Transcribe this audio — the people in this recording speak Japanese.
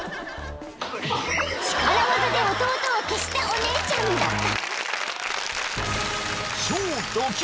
［力わざで弟を消したお姉ちゃんだった］